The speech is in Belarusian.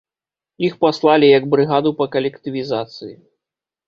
Іх паслалі як брыгаду па калектывізацыі.